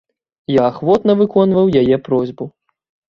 Я ахвотна выконваў яе просьбу.